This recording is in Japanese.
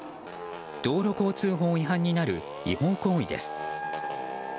道路交通法違反になる違法行為です。